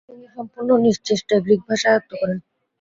তিনি সম্পূর্ণ নিজ চেষ্টায় গ্রিক ভাষা আয়ত্ত করেন।